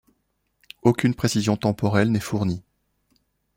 Aucune précision temporelle n'est fournie.